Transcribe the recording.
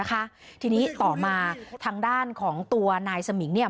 ดังกล่าวนะคะทีนี้ต่อมาทางด้านของตัวนายสมิงเนี่ย